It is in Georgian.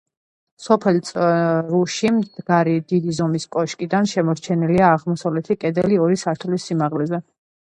სოფელ წრუში მდგარი დიდი ზომის კოშკიდან შემორჩენილია აღმოსავლეთი კედელი ორი სართულის სიმაღლეზე.